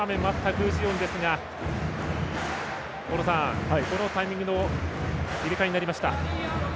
具智元ですが大野さん、このタイミングの入れ替えになりました。